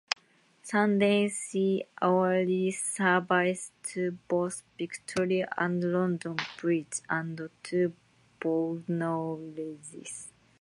Sundays see hourly services to both Victoria and London Bridge and to Bognor Regis.